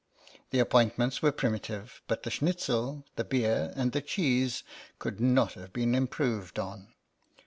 The appointments were primitive, but the Schnitzel, the beer, and the cheese could not have been improved on.